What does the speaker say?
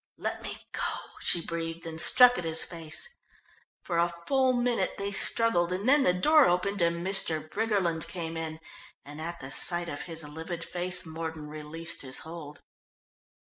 "Let me go," she breathed and struck at his face. For a full minute they struggled, and then the door opened and Mr. Briggerland came in, and at the sight of his livid face, Mordon released his hold.